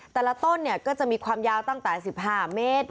แต่ละต้นเนี่ยก็จะมีความยาวตั้งแต่สิบห้าเมตร